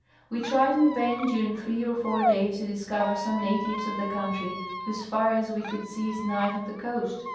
We tried in vain during three or four days to discover some natiA^es of the country, whose fires we could see at night on the coast.